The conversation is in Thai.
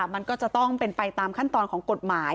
มันก็จะต้องเป็นไปตามขั้นตอนของกฎหมาย